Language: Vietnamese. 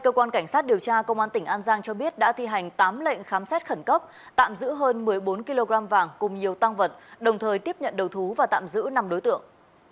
công an tỉnh an giang đã thi hành tám lệnh khám xét khẩn cấp tạm giữ hơn một mươi bốn kg vàng cùng nhiều tăng vật đồng thời tiếp nhận đầu thú và tạm giữ năm đối tượng